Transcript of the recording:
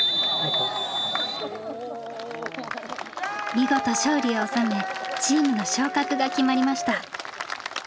見事勝利をおさめチームの昇格が決まりました。